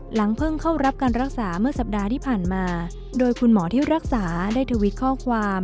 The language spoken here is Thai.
เพิ่งเข้ารับการรักษาเมื่อสัปดาห์ที่ผ่านมาโดยคุณหมอที่รักษาได้ทวิตข้อความ